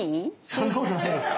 そんなことないですか？